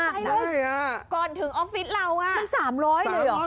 ก่อนถึงออฟฟิตเราใน๓๐๐เลยเหรอ